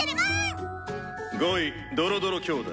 「５位ドロドロ兄弟。